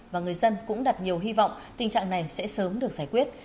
và người dân cũng đặt nhiều hy vọng tình trạng này sẽ sớm được giải quyết